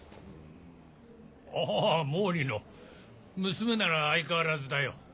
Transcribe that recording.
あぁ毛利の娘なら相変わらずだよ。